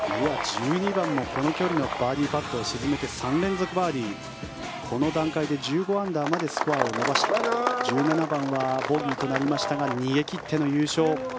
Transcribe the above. １２番もこの距離のバーディーパットを沈めて３連続バーディーこの段階で１５アンダーまでスコアを伸ばし１７番はボギーとなりましたが逃げ切っての優勝。